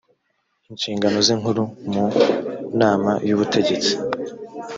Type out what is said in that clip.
inshingano ze nk uri mu nama y ubutegetsi